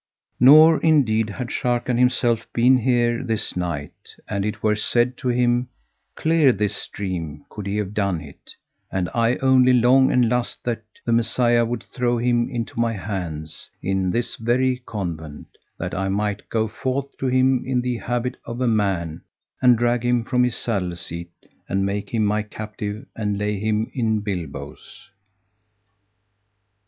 Nor, indeed, had Sharrkan himself been here this night and it were said to him, 'Clear this stream,' could he have done it; and I only long and lust that the Messiah would throw him into my hands in this very convent, that I might go forth to him in the habit of a man and drag him from his saddle seat and make him my captive and lay him in bilboes."